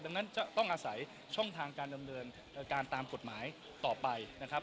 ดังนั้นจะต้องอาศัยช่องทางการดำเนินการตามกฎหมายต่อไปนะครับ